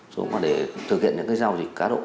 rồi để thực hiện những cái giao dịch cá độ